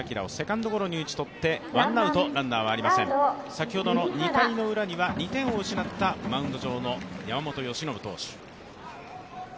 先ほどの２回のウラには２点を失った、マウンド上の山本由伸投手。